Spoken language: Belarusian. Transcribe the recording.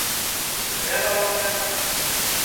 Ці трэба вам гэта?